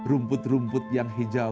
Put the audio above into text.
rumput rumput yang hijau